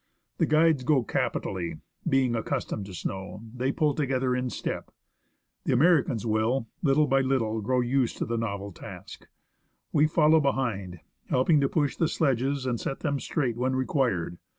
The guides go capitally ; being accus tomed to snow, they pull together in step. The Americans will. TREPARING TO CROSS A GLACIER STREAM. little by little, grow used to the novel task. We follow behind, helping to push the sledges and set them straight when required.